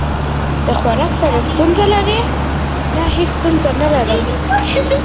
د خوراک سره الرجی لرئ؟ نه، هیڅ ستونزه نه لرم